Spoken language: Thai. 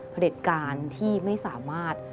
ผลิตการที่ไม่สามารถ